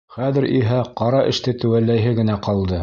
Хәҙер иһә ҡара эште теүәлләйһе генә ҡалды.